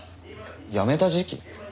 辞めた時期？